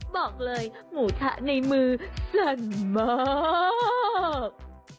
บอกเลยหมูทะในมือสั่นมาก